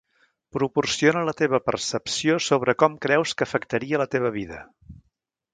Proporciona la teva percepció sobre com creus que afectaria la teva vida.